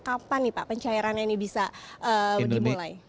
kapan nih pak pencairannya ini bisa dimulai